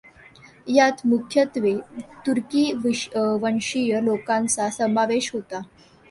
यात मुख्यत्वे तुर्की वंशीय लोकांचा समावेश होता.